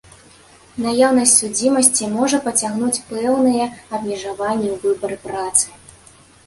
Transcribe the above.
Наяўнасць судзімасці можа пацягнуць пэўныя абмежаванні ў выбары працы.